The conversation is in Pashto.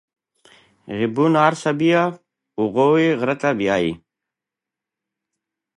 خدای شته چې ډېر خوشاله شوم.